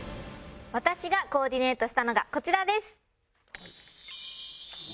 私がコーディネートしたのがこちらです。